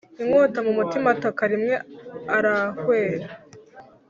inkota mumutima ataka rimwe arahwera